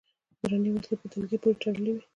د درنې وسلې په ډلګۍ پورې تړلي و.